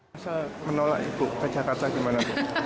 masa menolak ibu ke jakarta gimana bu